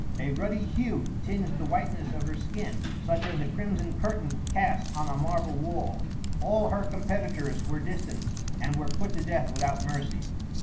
A ruddy hue tinged the whiteness of her skin, such as a crimson curtain casts on a marble wall. All her competitors were distanced, and were put to death without mercy.